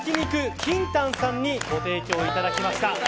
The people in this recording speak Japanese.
ＫＩＮＴＡＮさんにご提供いただきました。